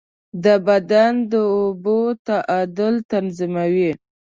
د بدن د اوبو تعادل تنظیموي.